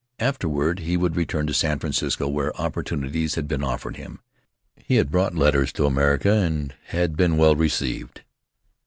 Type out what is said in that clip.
After ward he would return to San Francisco, where oppor tunities had been offered him; he had brought letters to America and had been well received.